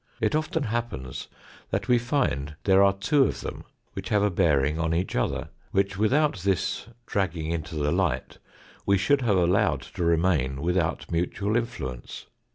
It often happens that we find there are two of them which have a bearing on each other, which, without this dragging into the light, we should have allowed to remain without mutual influence.